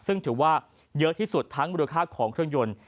ซึ่งถือว่าเยอะที่สุดทั้งมูลค่าของเครื่องยนต์